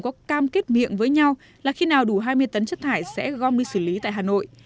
có cam kết miệng với nhau là khi nào đủ hai mươi tấn chất thải sẽ gom đi xử lý tại hà nội